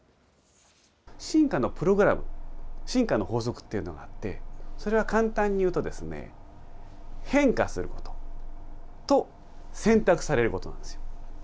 進化のプログラム、進化の法則というのがあって、それは簡単に言うと、変化することと選択されることなんですよ。